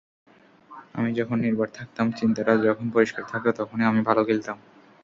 আমি যখন নির্ভার থাকতাম, চিন্তাটা যখন পরিষ্কার থাকত, তখনই আমি ভালো খেলতাম।